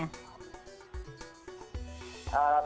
kalau umumnya masuklah